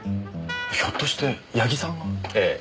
ひょっとして矢木さんが？ええ。